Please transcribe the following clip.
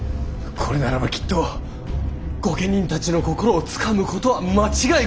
これならばきっと御家人たちの心をつかむことは間違いございませぬ！